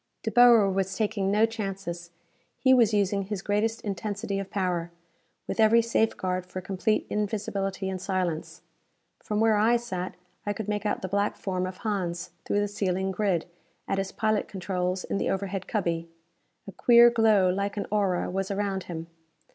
De Boer was taking no chances. He was using his greatest intensity of power, with every safeguard for complete invisibility and silence. From where I sat I could make out the black form of Hans through the ceiling grid, at his pilot controls in the overhead cubby. A queer glow like an aura was around him.